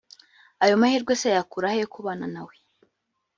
ayo mahirwe se yayakurahe yo kubana nawe